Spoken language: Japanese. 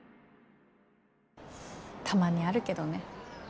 たまにあるけどね。